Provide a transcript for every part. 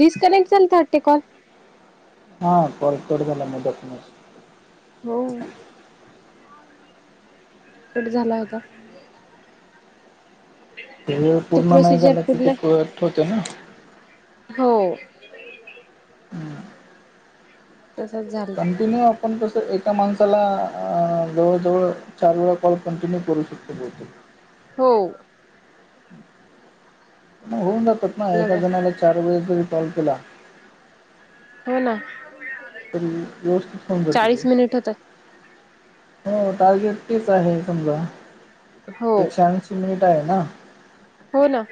Disconnect झालता वाटते call. हांल प गलां मडक हो कंट झालां होतां वेळ पूर्ण नाही प्रोसिजर झाल्या की ते पूर्ण कट होते ना हो हम्म. तसंच झालं कंटिन्यू आपण तसं एका माणसाला अ जवळजवळ चार वेळा कॉल कंटिन्यू करू शकतो बहुतेक हो होऊंन जातांत नां एकां लगा जणांला चार वेळां तरी कॉल केलां हो नां तरी व्यवस्थित होऊन जातं होतात ते हो टार्गेट तेच आहे समजा हो एकशे ऐंशी तीनं मिनिटं आहे नां हो नां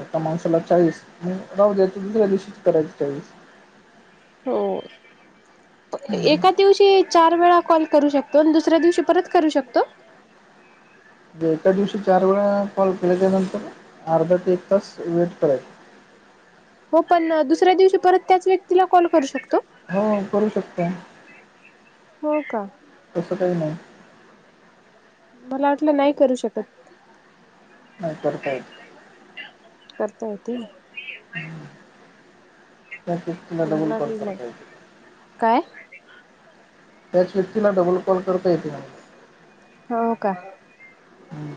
एकां माणसाला चाळीस मं राहूं दयचं दुसऱ्यां दिवशी करायचे चाळीस हो हम्म. एकाचं दिवशी चार वेळां कॉल करूं शकतो आणि दुसऱ्या दिवशी परंत करूं शकतो म्हणजे एका दिवशी चार वेळा कॉल केल्या त्यानंतर अर्धा ते एक तास वेट करा हो पण दुसऱ्या दिवशी परत त्याच व्यक्तीला कॉल करू शकतो हो करूं शकतो हो का तसं कांहीं नाहीं मलां वाटलं नाहीं करूं शकतं नाहीं करतंताय करतां येतं हम्मं मलांही नाहीं कायं त्या श्रुतीला डबल कॉल करता येतय काय मग. हो का हम्म. बरोबर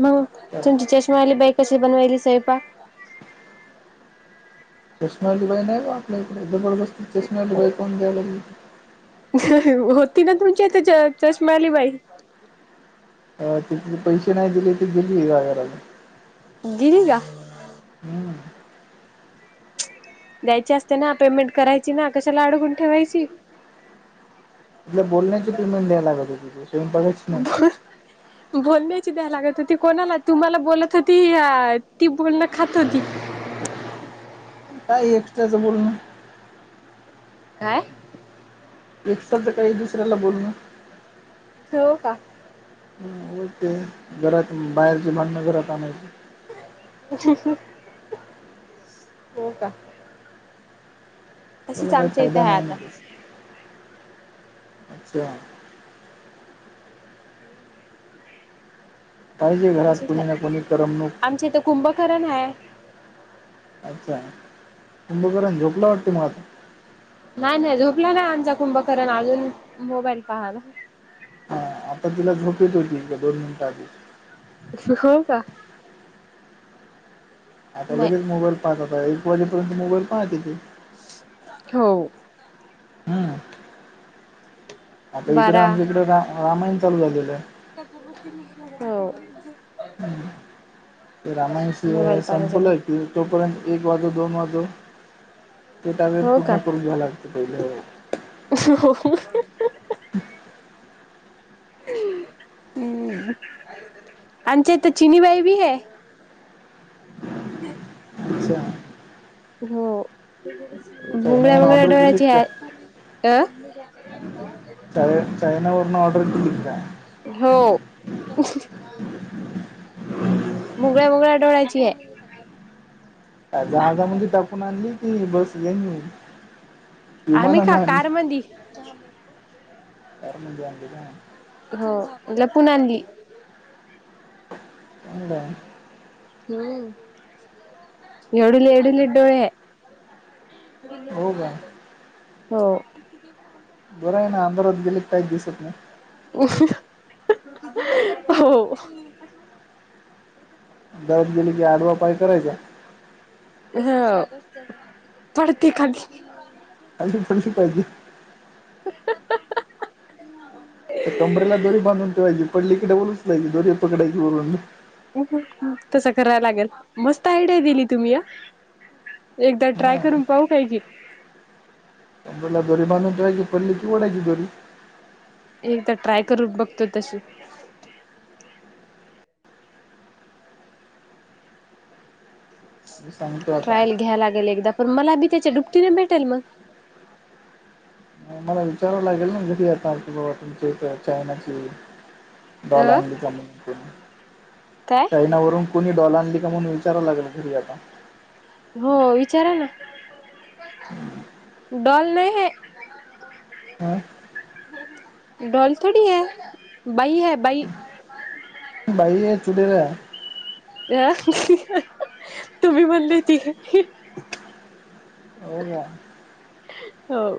मंग तर तुमची चष्मां आलीं बाई कशी बनवायली स्वयंपाक चष्मेवाली बाई नाहीं बां आपल्या इकडे जबरदस्तं चष्मेवाली बाई कोणं द्यायला लागे होती नां तुमची इथं चष्मा वांली बाई अ तिथली पैसे नाही दिले ती गेली का घराला? गेली का? हम्मं द्यायची असते ना पेमेंट करायची ना कशाला अडगून ठेवायची. तल्या बोलण्याची पेमेंट द्याय लागत ति स्वयंपाका. हा. बोल द्याची द्या लागत होती कोणाला तुम्हाला बोलत होती ती बोलणं खात होती. काय एक्स्ट्राचं बोलण. काय? एकत तर काही दुसऱ्याला बोलून. हो का. होते घरात बाहेरचे भांडण घरात आणायची. ज ह. हो का. तशीच त्याला काही आमच्या इथं फायदा आहे नाही ना आता तस अच्छा. पाहिजे घरात तशीच कोणी ना आहे कोणी करमणूक. आमच्या इथं कुंभकरण आहे. अच्छा तुंभपर्यंत झोपला वाटते मला आता. नाही नाही झोपला नाही आमचा कुंभकरण अजून मोबाईल पहाला. हा आता तिला झोप येत होती दोन मिनिटं आधी. हो का. आता नाही. लगेच मोबाईल पाहतता एक वाजेपर्यंत मोबाईल पाहते येथे. हो. हम्म. आता इकडे बारा आमच्या इकडे रा रामायण चालू झालेलं आहे. हो. ते रामायणशी मोबाईल पाहणं झाले संपलं की तोपर्यंत एक वाजू दोन वाजु. ते तवे हो का पूर्ण करून घ्यावं लागतं पहिले. हो. हम्म आणि ते तर चिनीबाई बी आहे. ह. अच्छा. हो मुंगळ्या चायनावरून मुंगळ्या ऑर्डर डोळ्याची आहे अ. च चैनावरर्ण ऑर्डर इट. हो. मुगळ्या मुगळ्या डोळ्याची आहे. जहाजामध्ये टाकून आणली की बस येईन. आम्ही का विमानना कार मधी कारण म्हणज. हो म्ह पुनली. चांगलं आहे जम. हम् एवढल एढ लिडोळे. हो का हो. बरं आहे ना अंधारात गेले काहीच दिसत नाही. हो. हो. गरत गेली की आडवा पाय करायचा. ह पडती खाली. थंशी पाहिजे. [unintelligible] तर कंबरेला दोरी बांधून ठेवायची, पडली की डब्बल उचलायची, दोरी पकडाची वरून. तसं कराय लागेल, मस्त आयडिया दिली तुम्ही हा. एकदा ट्राय करून पाहू काय की. कबरेला दोरी बांधून ठेवायची, पडली की ओडायची दोरी. एकदा ट्राय करू बघतो तशी. मी सांगतो आता ट्रायल घ्याय लागेल एकदा, पण मला बी त्याच्या डुबटीने भेटेल मग. मला विचारावं लागेल ना, कीती तुमच्या हित चायनाची. डॉल अ आणली का काय [inaudible] चैनावररून. कोणी डॉल आणली का म्हणून विचारायला लागलं घरी आता. हो विचारा ना. डॉल नाही. हं? डॉल थोडी हाय, बाई हाय बाई. बाई हाय चुडेल हाय. ह तुम्ही म्हणली होती. हो का. हो.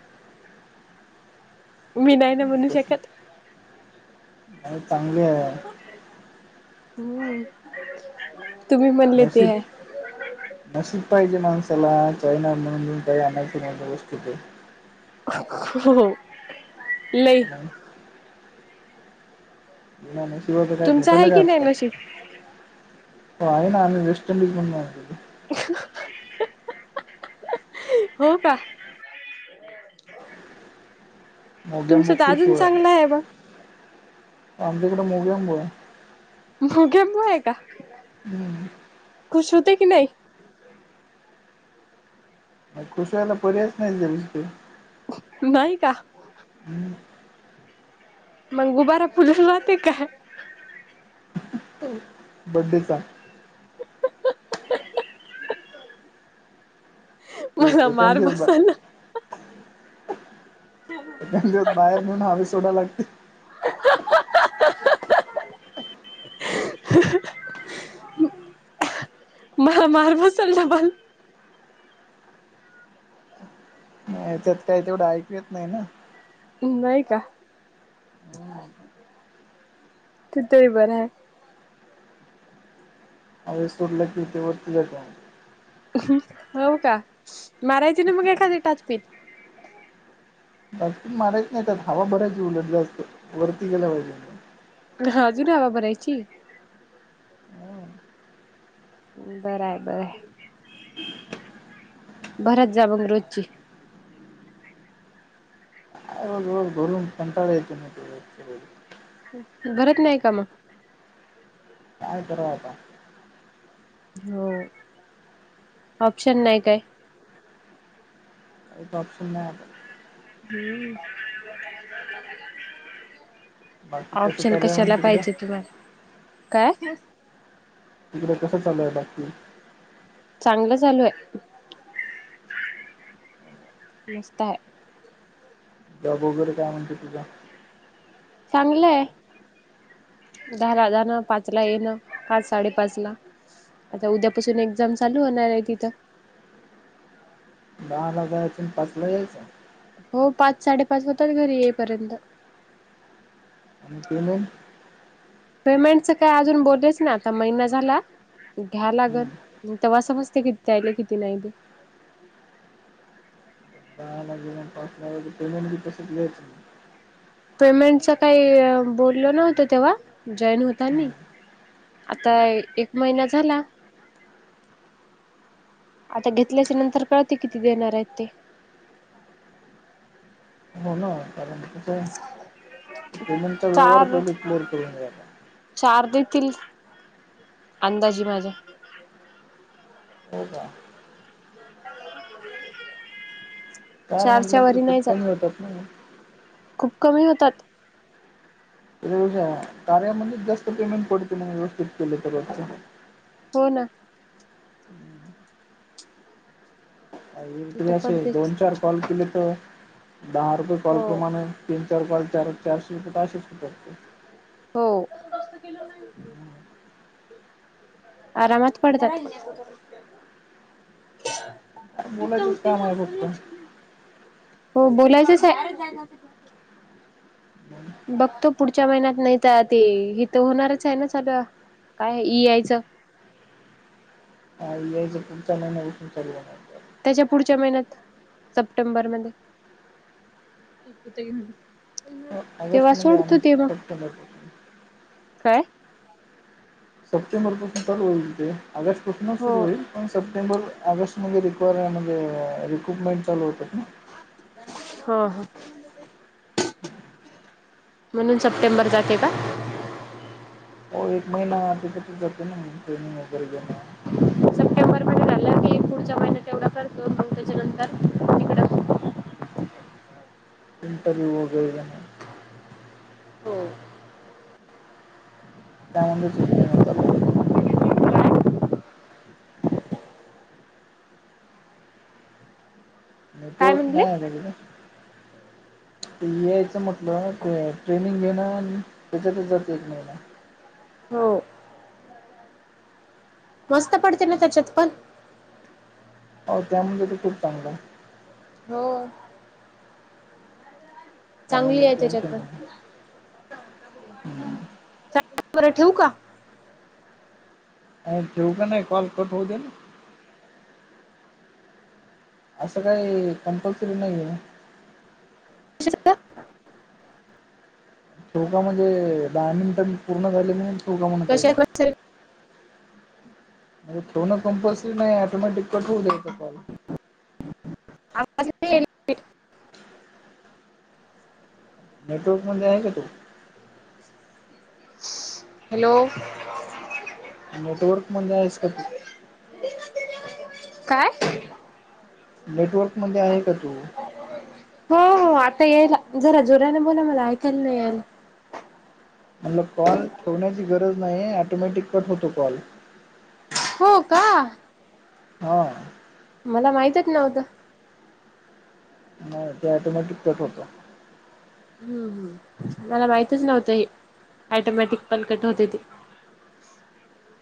मी नाही ना म्हणू शकत. अ चांगले आहे. हम्म, तुम्ही म्हणले ते. नशीब नशीब पाहिजे माणसाला, चायना वरून म्हणून काय आणायचं वस्तू ते. हो लई. ह [unintelligible] नशिबा शिवायच काय तुमचं भेटल आहे का की नाही आजकाल. नशीब हो आहे ना, वेस्ट इंडीज मधून आणलेलो. हो का. मोग्यांब तुमचं तर खुश अजून होवा आहे, चांगलं मग आमच्याकडे मोगेंब आहे. मोग्याम्बो आहे का, हम्म. खुश होते की नाही. खुश व्हायला पर्यायच नाहीं, झाल्या शिवाय. नाही का. हम. मग गुबारा पूजून जाते का. बड्डेचा. मला एखाद मार दिवस बा बसयला. त्याला बाहेर नेऊन हवे सोडायला लागते. ह [unintelligible] मला मार बसेल ना पण. नाही त्यात काही तेवढं ऐकू येत नाही ना. नाही का, तिथही बरं आहे. हवेत सोडलं की ते वरती जातो. हो का मारायची ना मग एखाद टाचनी. टाचणी मारायच नाही त्यात, हवा भरायची उलट जास्त वरती गेला पाहिजे. हा अजून हवा भरायची. बर हाय, बरं हाय. भरत जा मग रोजची. दिवस भरून कंटाळा येतो म ते करायला. भरत नाही का म काय कराव आता हो, ऑप्शन नाही काय? काहीच ऑप्शन नाय आता हम्म [unintelligible] बाकी कसं ऑप्शन चालू आहे मग कशाला तिकडं? पाहिजे तुला, काय? तिकड कसं चालूय बाकी चांगलं चालू आय. मस्त हाय. जॉब वगैरे काय म्हणतय तुझा? चागंलय. दहाला जाणं पाचला येणं पाच साडे पाचला आता उद्यापासून एक्झाम चालू होणार ये तिथं. दहाला जायचं आणि पाचला यायचं. हो पाच साडेपाच होतात घरी येईपर्यंत आणि पेमेंट पेमेंटचं काय अजून बोलेच नाय, आता महिना झाला. घ्याय लागन, हम्म. म तेव्हा समजते किती द्याईले किती नाय ते का लागे ना [unintelligible] पेमेंट बी तसच घायची. पेमेंटच काय बोलले नव्हते तेव्हा जॉईन होतानी हम्म. आता एक महिना झाला. आता घेतल्या ची नंतर कळते किती देणार येत ते. हो ना कारण कसंय पेमंटचा व्यवहार चार पहिले क्लिअर करून घ्यायचा. चार देतील. अंदाजी माझ्या हो का [unintelligible] चार म्हणलं तरी वरी खूप नाही जात कमी होतात न म खूप कमी होतात. [unintelligible] कार्यामध्येच जास्त पेमेंट पडते ना व्यवस्थित केलं तर रोजच हो ना. [unintelligible] तिथं असे पडतेच दोन चार कॉल केले त दहा रुपये कॉल हो प्रमाण तीन चार कॉल चार चारशे रुपये त अशेच होतात ते हो. आरामात पडतात. काय इथं बोलायचंच होती काम ना [unintelligible] आहे फक्त उचलली, हो बोलायचच हाय. मग बघतो पुढच्या महिन्यात नाय त ते इथं होणारच हाय ना चालू, काय ई आय चं ई आय चं पुढच्या महिन्यापासून चालू होणार त्याच्या पुढच्या महिन्यात सप्टेंबर मध्ये ऑगस्ट तेव्हा म्हणजे सोडतो आम्ही ते म, सप्टेंबरपासून काय? सप्टेंबर पासून चालू होईल ते, ऑगस्ट पासूनच सुरू हो होईल, पण सप्टेंबर ऑगस्ट मध्ये रिक्वायरमेन्ट म्हणजे रिक्रुटमेंट चालू होतात ना. हो हो. म्हणून सप्टेंबर जाते का? हो एक महिना तेच्यातच जाते ना, ट्रेनिंग वगैरे घेणं सप्टेंबर मध्ये झालं की, पुढचा महिना तेवढा करतो. मग त्याच्यानंतर तिकडं इंटरव्ह्यू वगैरे घेणं. हो त्यामध्येच एक महिना चालला जातो. काय नेटवर्क म्हणले नाही आहे ना तिथं? ते यायचं म्हटलं ते ट्रेनिंग घेणं आणि त्याच्यात जाते एक महिना. हो मस्त पडते ना, त्याच्यात पण हो त्यामध्ये पण खूप चांगलं आहे. हो. चांगली त्यामध्ये आहे. टेन्शन त्याच्यातपण नाही हम्म. बरं ठेऊ का? डायरेक्ट ठेवू का नाही. कॉल कट होऊ देन. असं काही कंपल्सरी नाही आहे. त्याच्यामध्ये दहा मिनिटं पूर्ण झाले म्हणून ठेवू का म्हणत कसे आहे का बच्चे? ठेवणं कंपल्सरी नाही आहे. ऑटोमॅटिक कट होवू दयायचा कॉल. अप्पाचे नेटवर्कमध्ये आहे का तू? हॅलो, नेटवर्क मध्ये आहेस का तू? [unintelligible] काय? नेटवर्क मध्ये आहे का तू? हो हो आता यायला. जरा जोऱ्याने बोला मला ऐकायला नाही आलं. म्हणलं कॉल ठेवण्याची गरज नाही. ऑटोमॅटिक कट होतो कॉल. हो का. हा, मला माहितच नव्हतं. नाही ते ऑटोमॅटिक कट होत. हम्म हम, मला माहितच नव्हतं हे ऑटोमॅटिक कल कट होते ते.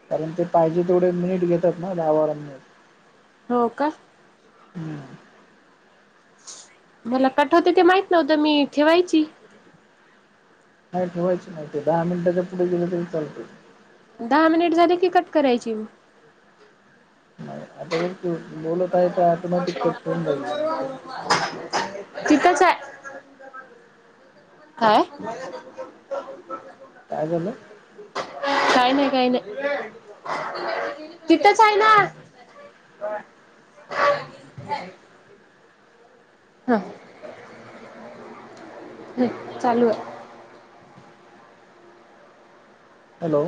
कारण ते पाहिजे तेवढे मिनिट भेटत नाही दहा बारा मिनिट हो का. हम्म, मला कट होते ते माहित नव्हतं. मी ठेवायची. नाही ठेवायचे नाही ते. दहा मिनिटाच्या पुढे गेलं तरी चालते. दहा मिनिट झाले की कट करायची मी. नाही आता बघ तू बोलत आहे ते ऑटोमॅटिक कट होऊन जाईल मग ते. तिथंच आहे. काय? [unintelligible] काय झालं? काही नाही. काही नाही. तिथंच आहे ना, [unintelligible] ह ह, चालू आहे. हॅलो,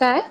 काय?